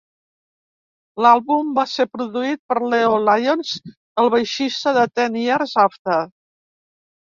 L'àlbum va ser produït per Leo Lyons, el baixista de Ten Years After.